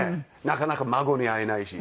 なかなか孫に会えないし。